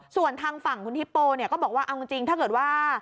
ส่วนทางฝั่งคุณฮิปโปเนี่ยก็บอกว่าเอาจริงถ้าเกิดว่า